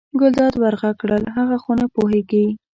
ګلداد ور غږ کړل هغه خو نه پوهېږي.